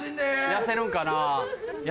痩せるんかな？